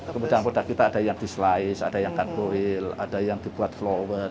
kemudian kita ada yang di slice ada yang karpoil ada yang dipuat pulut